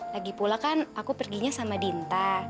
lagipula kan aku perginya sama dinta